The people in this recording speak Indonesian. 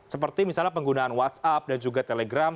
seperti misalnya penggunaan whatsapp dan juga telegram